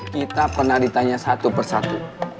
kita pernah ditanya satu persatu